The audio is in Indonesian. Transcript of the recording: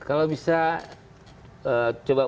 kalau bisa coba